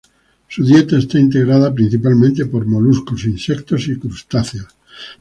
Su dieta está integrada principalmente por moluscos, insectos y crustáceos.